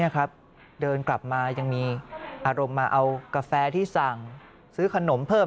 เดินกลับมายังมีอารมณ์มาเอากาแฟที่สั่งซื้อขนมเพิ่ม